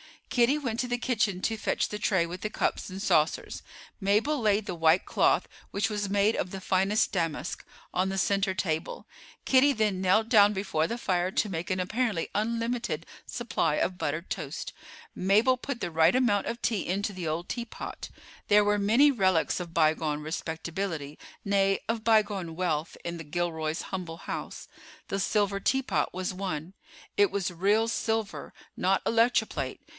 Kitty went to the kitchen to fetch the tray with the cups and saucers; Mabel laid the white cloth, which was made of the finest damask, on the center table. Kitty then knelt down before the fire to make an apparently unlimited supply of buttered toast; Mabel put the right amount of tea into the old teapot. There were many relics of bygone respectability, nay, of bygone wealth, in the Gilroys' humble house. The silver teapot was one—it was real silver, not electroplate.